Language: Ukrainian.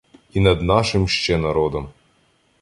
І над нашим ще народом